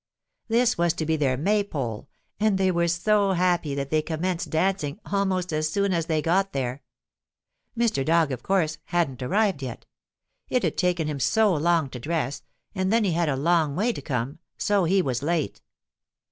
This was to be their May pole, and they were so happy that they commenced dancing almost as soon as they got there. Mr. Dog, of course, hadn't arrived yet. It had taken him so long to dress, and then he had a long way to come, so he was late.